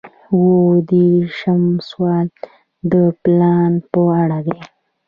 اووه دېرشم سوال د پلان په اړه دی.